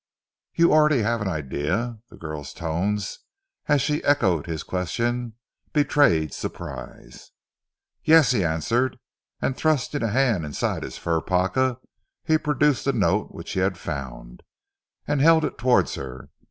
"You already have an idea?" the girl's tones, as she echoed his question, betrayed surprise. "Yes," he answered, and thrusting a hand inside his fur parka, he produced the note which he had found, and held it towards her.